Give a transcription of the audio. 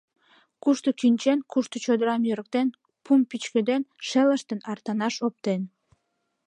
Кушто кӱчен, кушто чодырам йӧрыктен, пум пӱчкеден, шелыштын, артанаш оптен.